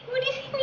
ibu di sini